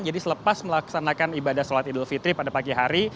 jadi selepas melaksanakan ibadah sholat idul fitri pada pagi hari